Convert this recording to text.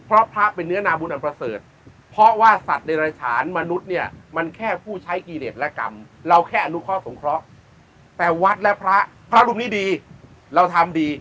และกรรมเราแค่อนุเคราะห์สงเคราะห์แต่วัดและพระพระรุมนี้ดีเราทำดี